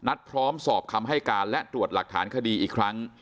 พร้อมสอบคำให้การและตรวจหลักฐานคดีอีกครั้ง